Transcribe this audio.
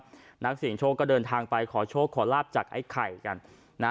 นักเสียงโชคก็เดินทางไปขอโชคขอลาบจากไอ้ไข่กันนะ